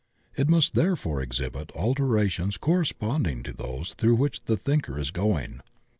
It must therefore erfiibit alterations cor responding to those through which the thinker is going.